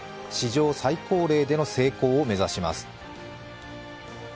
史上最高齢での成功を目指します。